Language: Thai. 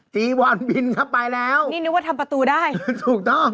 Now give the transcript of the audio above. จีวอนบินเข้าไปแล้วนี่นึกว่าทำประตูได้ถูกต้อง